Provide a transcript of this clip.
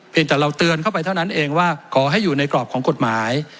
แต่เราเตือนเข้าไปเท่านั้นเองว่าขอให้อยู่ในกรอบของกฎหมาย